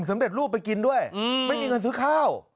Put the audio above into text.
สำเร็จรูปไปกินด้วยไม่มีเงินซื้อข้าว